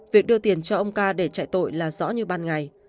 việc đưa tiền cho ông ca để chạy tội là rõ như ban ngày